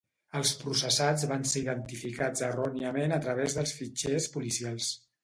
Els processats van ser identificats erròniament a través de fitxers policials.